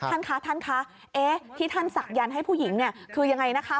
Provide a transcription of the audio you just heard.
ท่านคะท่านคะที่ท่านศักยันต์ให้ผู้หญิงเนี่ยคือยังไงนะคะ